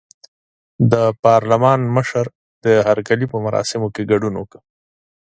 د پارلمان مشر د هرکلي په مراسمو کې ګډون وکړ.